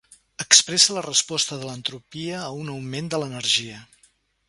Expressa la resposta de l'entropia a un augment de l'energia.